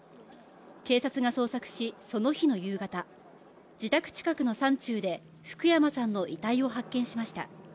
警察が捜索し、その日の夕方自宅近くの山中で福山さんの遺体を発見しました。